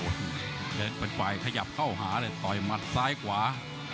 เดินเป็นกว่ายขยับเข้าหาเลยต่อยมัดซ้ายกว่า